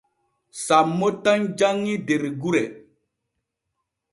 Sammo tan janŋi der gure.